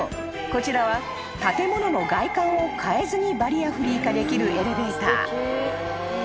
こちらは建物の外観を変えずにバリアフリー化できるエレベーター］